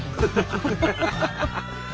ハハハ！